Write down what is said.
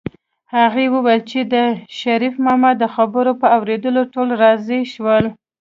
هغې وویل چې د شريف ماما د خبرو په اورېدو ټول راضي شول